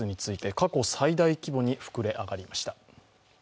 過去最大規模に膨れ上がりました。